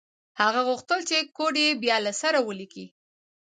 هغه غوښتل چې کوډ یې بیا له سره ولیکي